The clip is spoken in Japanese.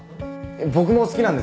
僕も好きなんですよ。